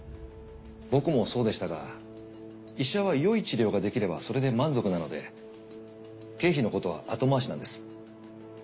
僕もそうでしたが医者はよい治療ができればそれで満足なので経費のことは後回しなんです。